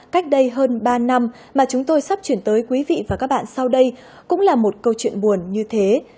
cách đây hơn ba năm mà chúng tôi sắp chuyển tới quý vị và các bạn sau đây cũng là một câu chuyện buồn như thế